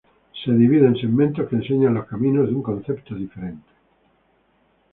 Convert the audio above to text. Se divide en segmentos que enseñan los caminos de un concepto diferente.